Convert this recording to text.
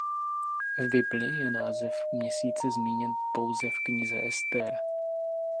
V Bibli je název měsíce zmíněn pouze v Knize Ester.